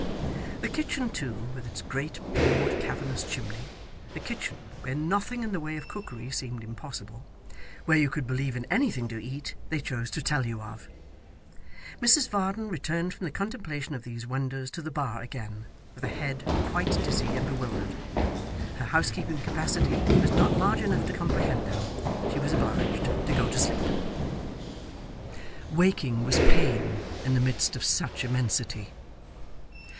The kitchen too, with its great broad cavernous chimney; the kitchen, where nothing in the way of cookery seemed impossible; where you could believe in anything to eat, they chose to tell you of. Mrs Varden returned from the contemplation of these wonders to the bar again, with a head quite dizzy and bewildered. Her housekeeping capacity was not large enough to comprehend them. She was obliged to go to sleep. Waking was pain, in the midst of such immensity.